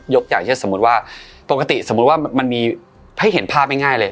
อย่างเช่นสมมุติว่าปกติสมมุติว่ามันมีให้เห็นภาพง่ายเลย